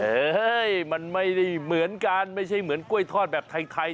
เฮ้ยมันไม่ได้เหมือนกันไม่ใช่เหมือนกล้วยทอดแบบไทย